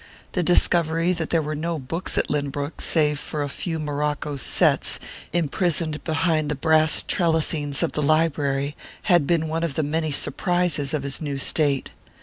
The discovery that there were no books at Lynbrook save a few morocco "sets" imprisoned behind the brass trellisings of the library had been one of the many surprises of his new state.